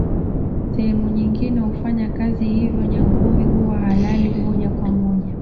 Sehemu nyingine hufanya kazi hivyo Nyangumi huwa halali moja kwa moja